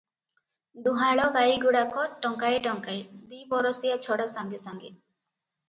ଦୁହାଁଳ ଗାଈଗୁଡାକ ଟଙ୍କାଏ ଟଙ୍କାଏ, ଦି'ବରଷିଆ ଛଡ଼ା ସାଙ୍ଗେ ସାଙ୍ଗେ ।